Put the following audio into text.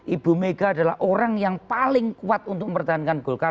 ibu mega adalah orang yang paling kuat untuk mempertahankan golkar